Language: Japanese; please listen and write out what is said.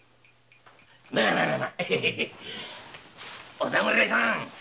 お侍さん。